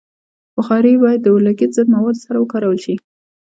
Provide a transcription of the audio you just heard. بخاري باید د اورلګیدو ضد موادو سره وکارول شي.